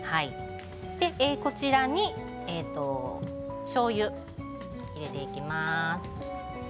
こちらに、しょうゆ入れていきます。